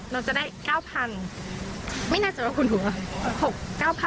เราจะได้๙๐๐๐บาทไม่น่าจะผ่านถึง๖๐๐๐๙๐๐๐บาท